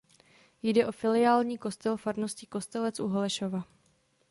Jde o filiální kostel farnosti Kostelec u Holešova.